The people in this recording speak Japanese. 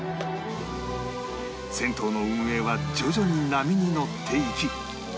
銭湯の運営は徐々に波に乗っていき